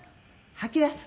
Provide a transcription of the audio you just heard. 吐き出す。